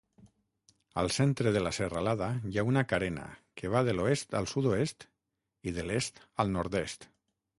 Al centre de la serralada hi ha una carena que va de l'oest al sud-oest i de l'est al nord-est.